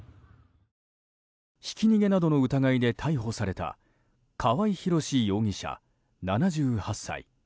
ひき逃げなどの疑いで逮捕された川合廣司容疑者、７８歳。